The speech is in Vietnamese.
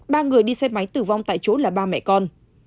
ba người đi xe máy tử vong tại chỗ là ba mẹ con